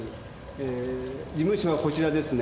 えー事務所はこちらですね。